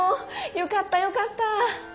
よかったよかった。